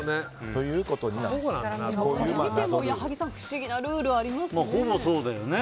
これを見ても矢作さん不思議なルールありますね。